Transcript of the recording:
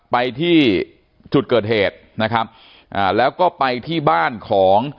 ไปที่จุดเกิดเหตุแล้วก็ไปที่บ้านของ